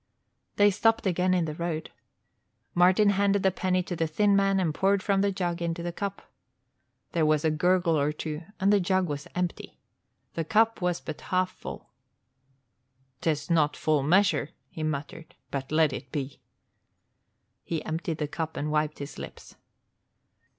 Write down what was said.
They stopped again in the road. Martin handed the penny to the thin man and poured from the jug into the cup. There was a gurgle or two and the jug was empty. The cup was but half full. "'Tis not full measure," he muttered, "but let it be." He emptied the cup and wiped his lips.